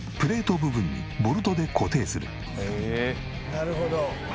「なるほど」